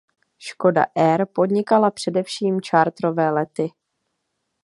Škoda Air podnikala především charterové lety.